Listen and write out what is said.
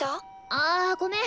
ああごめん。